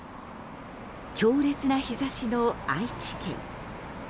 強烈な日差しの愛知県。